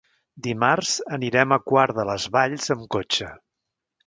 Dimarts anirem a Quart de les Valls amb cotxe.